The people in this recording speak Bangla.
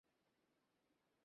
মাথায় একটা টুপি পরে নাও।